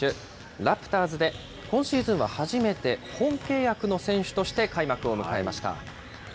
ラプターズで、今シーズンは初めて本契約の選手として開幕を迎えました。